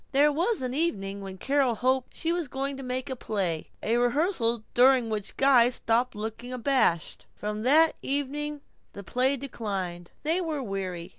There was an evening when Carol hoped she was going to make a play; a rehearsal during which Guy stopped looking abashed. From that evening the play declined. They were weary.